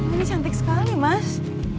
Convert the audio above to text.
ini cantik sekali mas